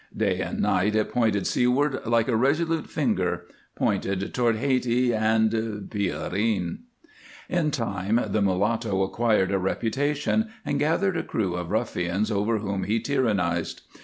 Day and night it pointed seaward, like a resolute finger; pointed toward Hayti and Pierrine. In time the mulatto acquired a reputation and gathered a crew of ruffians over whom he tyrannized.